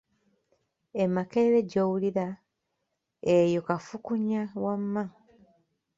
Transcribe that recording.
"E Makerere gy’owulira, eyo kafukunya wamma."